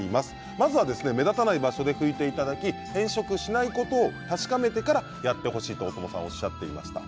まずは目立たない場所で拭いていただき変色しないことを確かめてからやってほしいと大友さんがおっしゃっていました。